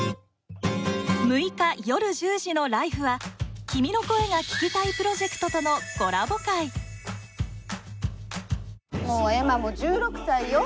６日夜１０時の「ＬＩＦＥ！」は「君の声が聴きたい」プロジェクトとのコラボ回もうエマも１６歳よ。